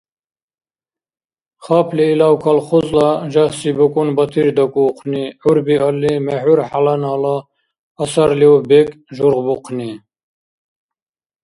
Хапли илав колхозла жагьси букӀун Батир дакӀуухъни... гӀyp биалли мexӀyp хӀяланала асарлиуб бекӀ жургъбухъни...